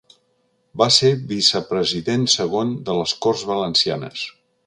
Va ser Vicepresident segon de les Corts Valencianes.